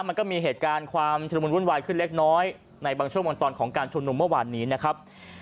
มันก็มีเหตุการณ์ความชุดละมุนวุ่นวายขึ้นเล็กน้อยในบางช่วงบางตอนของการชุมนุมเมื่อวานนี้นะครับ